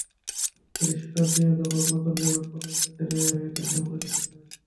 কিছু শিক্ষক নিয়োগ এবং নতুন বিভাগ খোলার ক্ষেত্রে তিনি সমালোচিত হয়েছেন।